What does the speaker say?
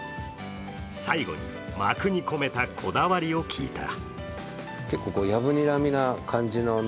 最後に幕に込めたこだわりを聞いた。